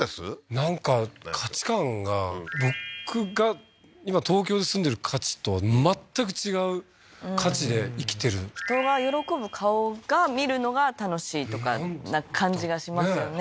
なんか価値観が僕が今東京で住んでる価値と全く違う価値で生きてる人が喜ぶ顔が見るのが楽しいとか感じがしますよね